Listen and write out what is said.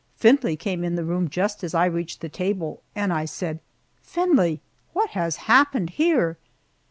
Findlay came in the room just as I reached the table, and I said, "Findlay, what has happened here?"